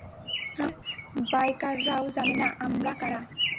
আমাদের বাইকাররাও জানে না আমরা কারা।